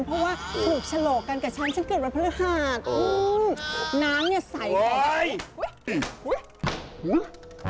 เพราะว่าถูกฉลอกกันกับฉันฉันเกิดวันพระหาดน้ำเนี่ยใสโอ้ยอุ้ยอุ้ย